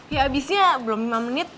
ya abisnya belum lima menit